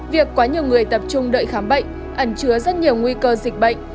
việc quá nhiều người tập trung đợi khám bệnh ẩn chứa rất nhiều nguy cơ dịch bệnh